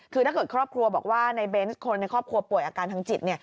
คือถ้าเกิดครอบครัวบอกว่าในเบนส์คนในครอบครัวป่วยอาการทางจิต